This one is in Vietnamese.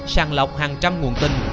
sàng lọc hàng trăm nguồn tin